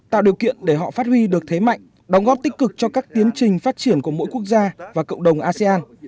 tạo điều kiện để họ phát huy được thế mạnh đóng góp tích cực cho các tiến trình phát triển của mỗi quốc gia và cộng đồng asean